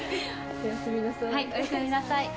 おやすみなさい。